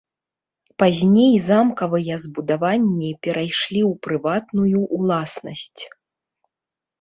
Пазней замкавыя збудаванні перайшлі ў прыватную уласнасць.